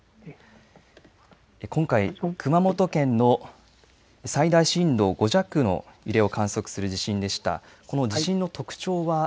今回熊本県の最大震度５弱の揺れを観測する地震でした。